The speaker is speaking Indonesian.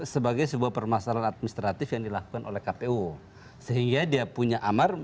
sebagai sebuah permasalahan administratif yang dilakukan oleh kpu sehingga dia punya amar